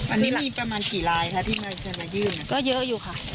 อันนี้มีประมาณกี่ลายคะที่มาเชิญมายื่นก็เยอะอยู่ค่ะ